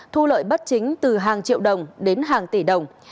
thu lợi bất chính từ hàng triệu đồng đến hàng tỷ đồng